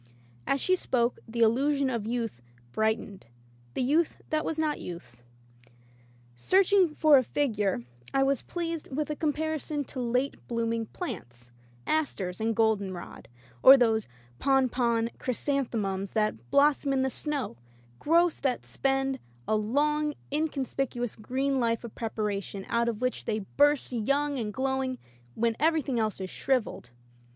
As she spoke the illusion of youth bright ened — the youth that was not youth. Search ing for a figure, I was pleased with a com parison to late blooming plants, asters and golden rod, or those pompon chrysanthe [ 240 ] Digitized by LjOOQ IC E. Holbrookes Patience mums that blossom in the snow — growths that spend a long inconspicuous green life of preparation out of which they burst young and glowing when everything else is shriv eled.